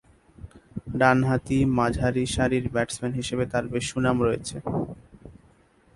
ডানহাতি মাঝারিসারির ব্যাটসম্যান হিসেবে তার বেশ সুনাম রয়েছে।